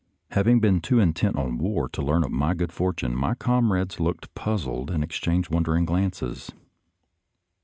Having been too intent on war to learn of my good fortune, my comrades looked puzzled and exchanged wondering glances.